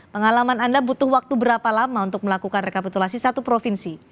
pengalaman anda butuh waktu berapa lama untuk melakukan rekapitulasi satu provinsi